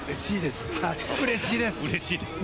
うれしいです！